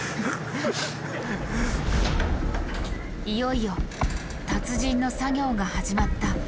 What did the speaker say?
いよいよ達人の作業が始まった。